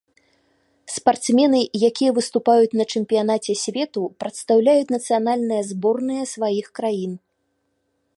Спартсмены, якія выступаюць на чэмпіянаце свету, прадстаўляюць нацыянальныя зборныя сваіх краін.